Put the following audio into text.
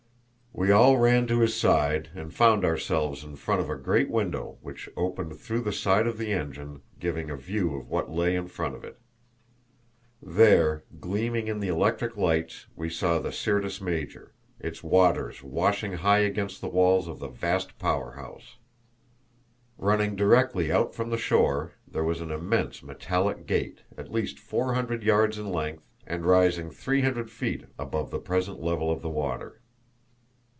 We all ran to his side and found ourselves in front of a great window which opened through the side of the engine, giving a view of what lay in front of it. There, gleaming in the electric lights, we saw the Syrtis Major, its waters washing high against the walls of the vast power house. Running directly out from the shore, there was an immense metallic gate at least 400 yards in length and rising 300 feet above the present level of the water.